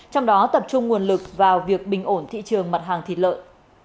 trong đó tập trung nguồn lực vào việc bình ổn thị trường mặt hàng thịt lợn